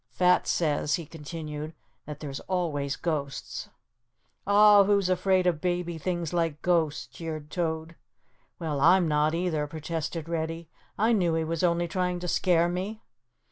"Fat says," he continued, "that there's always ghosts." "Aw, who's afraid of baby things like ghosts," jeered Toad. "Well, I'm not either," protested Reddy. "I knew he was only trying to scare me."